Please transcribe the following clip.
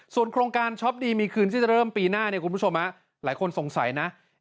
ส่วนโครงการช็อปดีมีคืนที่จะเริ่มปีหน้าเนี่ยคุณผู้ชมหลายคนสงสัยนะ